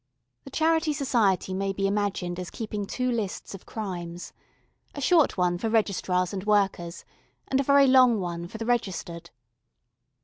The Charity Society may be imagined as keeping two lists of crimes, a short one for Registrars and Workers, and a very long one for the registered.